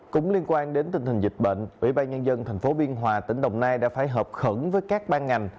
cũng liên quan đến tình hình dịch bệnh ủy ban nhân dân tp biên hòa tỉnh đồng nai đã phải hợp khẩn với các ban ngành